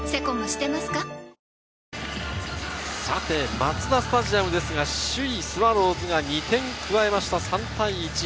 マツダスタジアムですが、首位・スワローズが２点加えました、３対１。